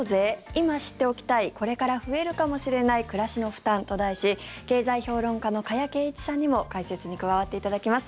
今知っておきたいこれから増えるかもしれない暮らしの負担と題し経済評論家の加谷珪一さんにも解説に加わっていただきます。